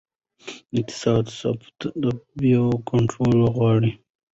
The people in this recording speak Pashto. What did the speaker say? اقتصادي ثبات د بیو کنټرول غواړي.